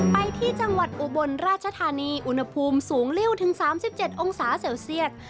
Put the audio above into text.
ไปที่จังหวัดอุบลราชธานีอุณหภูมิสูงริ้วถึง๓๗องศาเซลเซียต